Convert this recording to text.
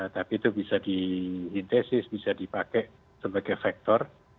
tapi itu bisa diintesis bisa dipakai sebagai faktor